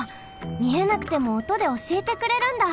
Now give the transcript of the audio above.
みえなくてもおとでおしえてくれるんだ。